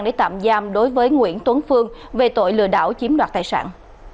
để tạm giam đối với nguyễn tuấn phương về tội lừa đảo chiếm đoạt tài sản